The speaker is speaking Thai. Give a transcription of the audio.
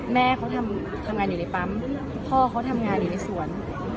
แม่เขาทำงานอยู่ในปั๊มพ่อเขาทำงานอยู่ในสวน